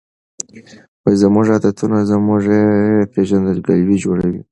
زموږ عادتونه زموږ پیژندګلوي جوړوي.